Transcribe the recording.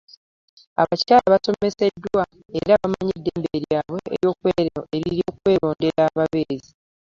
Abakyala basomeseddwa era bamanyi eddembe lyabwe eryokwerondera ababeezi.